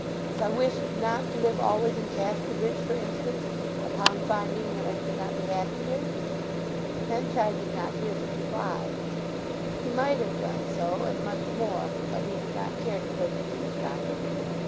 "If I wished not to live always in Casterbridge, for instance, upon finding that I should not be happy here?" Henchard did not hear the reply; he might have done so and much more, but he did not care to play the eavesdropper.